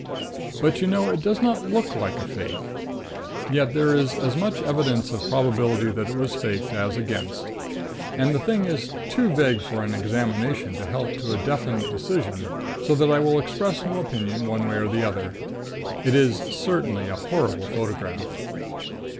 But, you know, it does not look like a fake. Yet, there is as much evidence of probability that it was faked, as against; and the thing is too vague for an examination to help to a definite decision so that I will express no opinion, one way or the other. It is certainly a horrible photograph.